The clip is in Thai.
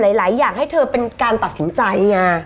หลายอย่างให้เธอเป็นการตัดสินใจไง